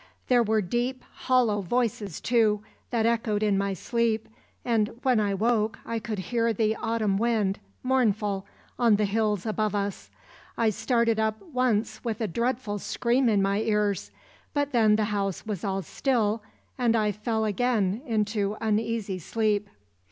There were deep, hollow voices, too, that echoed in my sleep, and when I woke I could hear the autumn wind, mournful, on the hills above us. I started up once with a dreadful scream in my ears; but then the house was all still, and I fell again into uneasy sleep.